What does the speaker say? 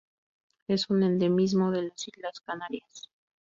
Es un endemismo de las Islas Canarias.